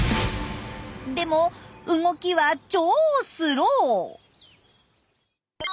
でも動きは超スロー。